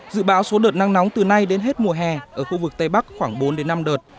dự báo số đợt nắng nóng từ nay đến hết mùa hè ở khu vực tây bắc khoảng bốn đến năm đợt